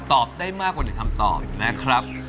ตอบได้มากกว่า๑คำตอบนะครับ